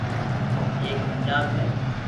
ايڪ پنجاب ھي